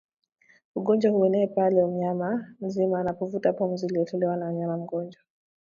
ugonjwa huenea pale mnyama mzima anapovuta pumzi iliyotolewa na mnyama mgonjwa